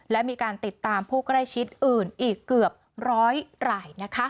และมีการติดตามผู้ใกล้ชิดอื่นอีกเกือบร้อยราย